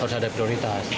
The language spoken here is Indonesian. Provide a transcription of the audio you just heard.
harus ada prioritas